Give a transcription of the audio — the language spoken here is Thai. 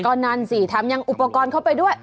ก็นั่นสิแถมยังอุปกรณ์เข้าไปด้วย